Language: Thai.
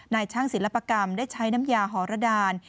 นายช่างศิลปกรรมได้ใช้น้ำยาหอรดาน